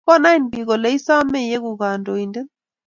Konain pik ko le isame iiku kandoindet